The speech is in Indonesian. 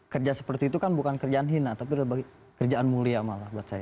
kerja seperti itu kan bukan kerjaan hina tapi kerjaan mulia malah buat saya